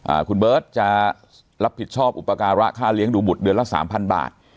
คุณเบิร์ตจะรับผิดชอบอุปการะค่าเลี้ยงดูบุตรเดือนละสามพันบาท